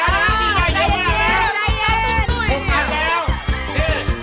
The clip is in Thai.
เร็ว